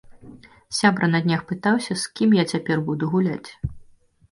Сябра на днях пытаўся, з кім я цяпер буду гуляць.